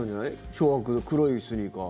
漂白、黒いスニーカー。